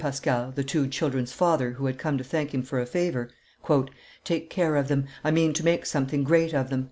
Pascal, the two children's father, who had come to thank him for a favor, "Take care of them; I mean to make something great of them."